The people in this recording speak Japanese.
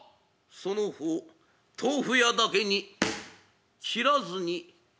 「その方豆腐屋だけに切らずにやったぞ」。